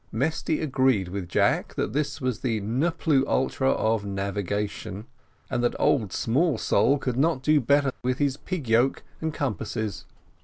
Mesty agreed with Jack that this was the ne plus ultra of navigation: and that old Smallsole could not do better with his "pig yoke" and compasses.